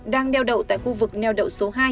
đang neo đậu tại khu vực neo đậu số hai